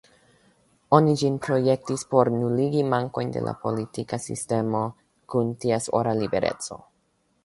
Oni ĝin projektis por nuligi mankojn de la politika sistemo kun ties ora libereco.